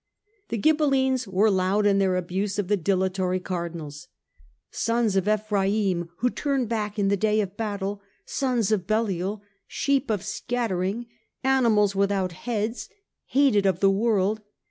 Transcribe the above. The Ghibellines were loud in their abuse of the dilatory Cardinals. " Sons of Ephraim who turn back in the day of battle ! sons of Belial ! sheep of scattering ! animals without heads, hated of the world